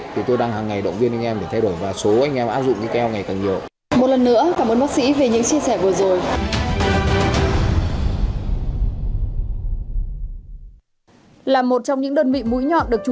thì tôi đang hằng ngày động viên anh em để thay đổi và số anh em áp dụng keo ngày càng nhiều